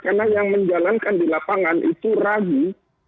karena yang menjalankan di lapangan itu ragu